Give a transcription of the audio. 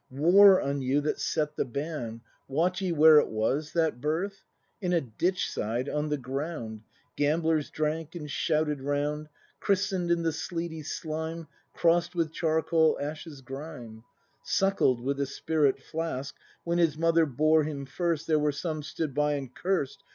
War on you that set the ban, — Wot ye where it was, that birth ? In a ditch side, on the ground. Gamblers drank and shouted round — Christen 'd in the sleety slime, Cross'd with charcoal ashes grime, Suckled with a spirit flask; — When his mother bore him first There were some stood by and cursed.